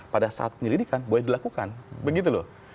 pada saat penyelidikan boleh dilakukan begitu loh